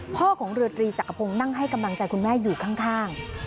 ของเรือตรีจักรพงศ์นั่งให้กำลังใจคุณแม่อยู่ข้าง